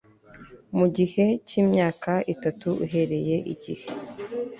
mu gihe cy imyaka itatu uhereye igihe